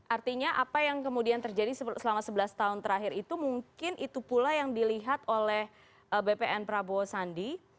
artinya apa yang kemudian terjadi selama sebelas tahun terakhir itu mungkin itu pula yang dilihat oleh bpn prabowo sandi